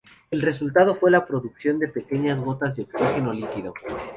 El resultado fue la producción de pequeñas gotas de oxígeno líquido.